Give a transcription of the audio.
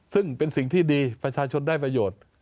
ซึ่งเป็นสิ่งที่ดีประชาชนได้ประโยชน์